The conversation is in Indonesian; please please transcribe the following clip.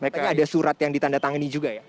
tapi ada surat yang ditandatangani juga ya